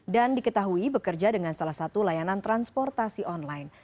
dan diketahui bekerja dengan salah satu layanan transportasi online